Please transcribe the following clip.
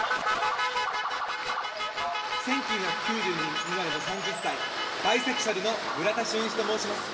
１９９２年生まれの３０歳のバイセクシャルの村田しゅんいちと申します。